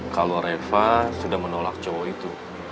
kalau reva sudah menolak cowok itu